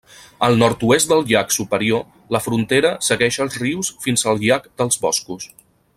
Al nord-oest del llac Superior la frontera segueix els rius fins al llac dels Boscos.